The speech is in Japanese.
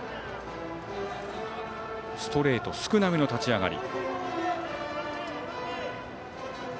ストレート少なめの立ち上がり。